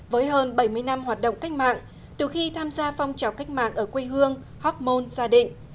với hơn bảy mươi năm hoạt động cách mạng từ khi tham gia phong trào cách mạng ở quê hương hóc môn gia định